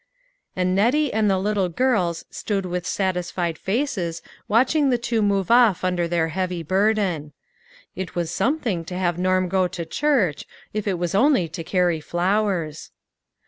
And Nettie and the little girls stood with satisfied faces watching the two move off under their heavy burden. It was something to have Norm 280 LITTLE FISHERS: AND THEIK NETS. go to church if it was only to carry flowers.